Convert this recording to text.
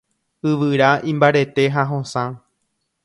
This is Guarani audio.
Yvyra imbarete ha hosã.